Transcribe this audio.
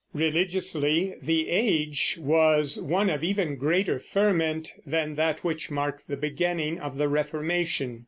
Religiously the age was one of even greater ferment than that which marked the beginning of the Reformation.